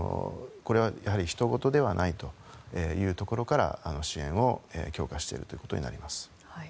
これはやはり、他人ごとではないというところから支援を強化しているということになります。